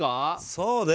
そうね